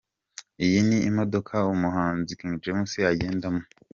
Iyi ni imodoka umuhanzi King James agendamo.